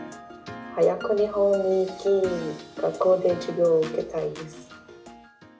早く日本に行き、学校で授業を受けたいです。